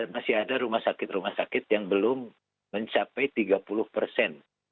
masih ada rumah sakit rumah sakit yang belum mencapai tiga puluh persen